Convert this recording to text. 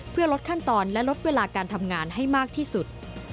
เพื่อลดขั้นตอนและลดเวลาการทำงานให้มากที่สุด